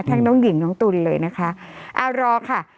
น้องหญิงน้องตุ๋นเลยนะคะอ่ารอค่ะ